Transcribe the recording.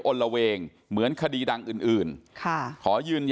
อันนี้แม่งอียางเนี่ย